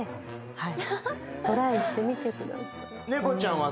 はい。